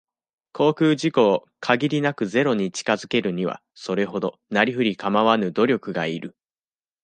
航空事故を、限りなくゼロに近づけるには、それほど、なり振りかまわぬ努力がいる。